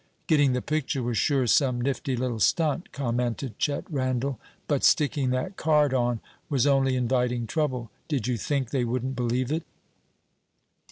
"Getting the picture was sure some nifty little stunt," commented Chet Randell, "but sticking that card on was only inviting trouble. Did you think they wouldn't believe it?"